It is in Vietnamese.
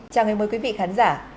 chào mừng quý vị khán giả